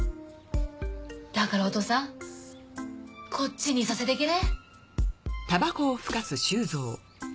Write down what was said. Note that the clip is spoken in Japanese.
だがらお父さんこっちにいさせでけれ。